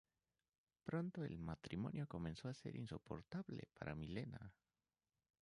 Pronto el matrimonio comenzó a ser insoportable para Milena.